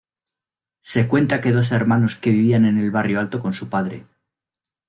Se cuenta que dos hermanos que vivían en el barrio alto con su padre.